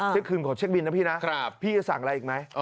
เที่ยงคืนขอเช็คบินนะพี่นะครับพี่จะสั่งอะไรอีกไหมอ๋อ